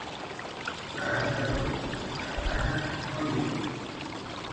L'Edat de Bronze tardana no hi és.